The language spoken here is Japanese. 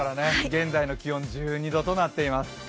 現在の気温１２度となっています。